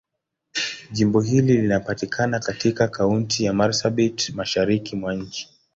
Jimbo hili linapatikana katika Kaunti ya Marsabit, Mashariki mwa nchi.